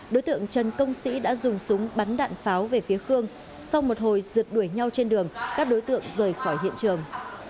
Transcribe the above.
đối tượng trần công sĩ đã dùng súng bắn đạn pháo về phía khương sau một hồi rượt đuổi nhau trên đường các đối tượng rời khỏi hiện trường